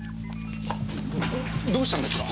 えどうしたんですか？